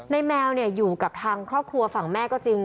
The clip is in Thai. แมวอยู่กับทางครอบครัวฝั่งแม่ก็จริง